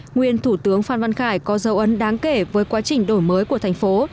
nguyên thủ tướng phan văn khải có dấu ấn đáng kể với quá trình đổi mới của thành phố